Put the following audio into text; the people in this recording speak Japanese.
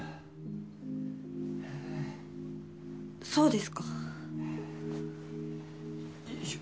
そうですか。